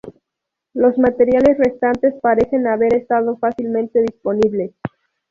Los materiales restantes parecen haber estado fácilmente disponibles.